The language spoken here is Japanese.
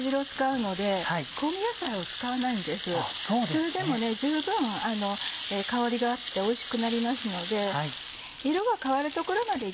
それでも十分香りがあっておいしくなりますので。